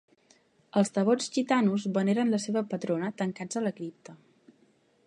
Els devots gitanos veneren la seva patrona tancats a la cripta.